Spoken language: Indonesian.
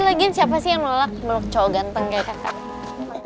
lagian siapa sih yang nolak belok cowok ganteng kakak